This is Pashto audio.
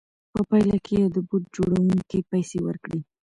په پایله کې یې د بوټ جوړوونکي پیسې ورکړې